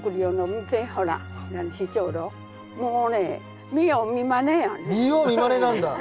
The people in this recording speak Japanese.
もうね見よう見まねなんだ。